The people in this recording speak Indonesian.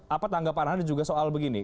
apa tanggapan anda juga soal begini